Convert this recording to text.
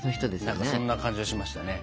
何かそんな感じがしましたね。